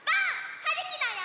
はるきだよ！